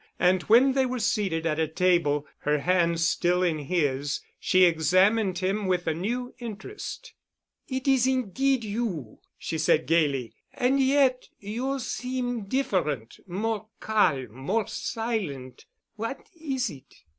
And when they were seated at a table, her hand still in his, she examined him with a new interest. "It is indeed you," she said gayly, "and yet you seem different—more calm, more silent. What is it?"